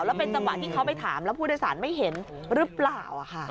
แล้วเป็นจังหวะที่เขาไปถามแล้วผู้โดยสารไม่เห็นหรือเปล่า